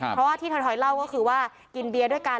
เพราะว่าที่ถอยเล่าก็คือว่ากินเบียร์ด้วยกัน